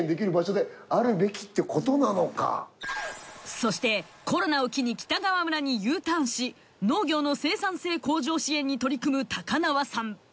そしてコロナを機に北川村にＵターンし農業の生産性向上支援に取り組む高縄さん。